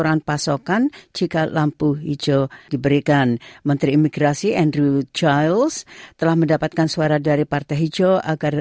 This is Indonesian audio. also memberikan menteri imigrasi andrew giles telah mendapatkan suara dari area parter hijau agak